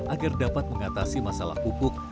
agar dapat mengatasi masalah pupuk